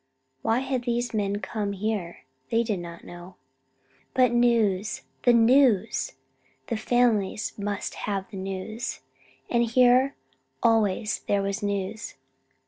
Why had these men come here? They did not know. But news the news! The families must have the news. And here always there was news!